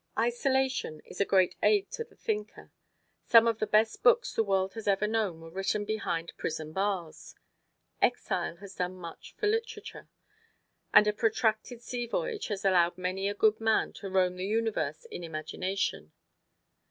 Isolation is a great aid to the thinker. Some of the best books the world has ever known were written behind prison bars; exile has done much for literature, and a protracted sea voyage has allowed many a good man to roam the universe in imagination.